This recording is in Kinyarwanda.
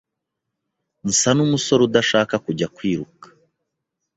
Nsa numusore udashaka kujya kwiruka?